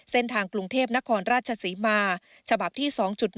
เส้นทางกรุงเทพนครราชศรีมาฉบับที่๒๑